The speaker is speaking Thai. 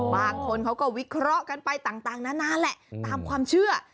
บางคนเขาก็วิเคราะห์กันไปต่างนานาแหละตามความเชื่อ